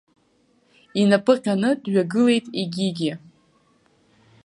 Инапы ҟьаны дҩагылеит егьигьы.